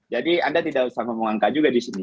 jadi anda tidak usah ngomong angka juga di sini